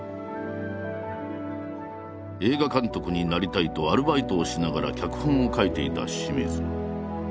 映画監督になりたいとアルバイトをしながら脚本を書いていた清水。